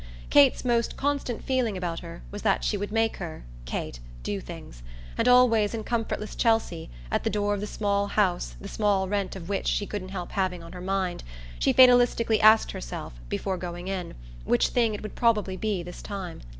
Kate's most constant feeling about her was that she would make her, Kate, do things; and always, in comfortless Chelsea, at the door of the small house the small rent of which she couldn't help having on her mind, she fatalistically asked herself, before going in, which thing it would probably be this time.